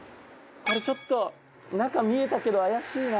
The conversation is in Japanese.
ちょっと中見えたけど怪しいな。